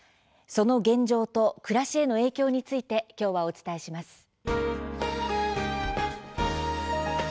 その現状と暮らしへの影響についてきょうはお伝えします。